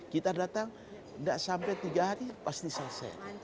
kita datang tidak sampai tiga hari pasti selesai